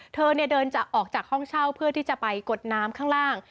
เธอเดินจะออกจากห้องเช่าเพื่อที่จะไปกดน้ำข้างล่าง